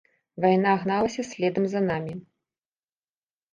Вайна гналася следам за намі.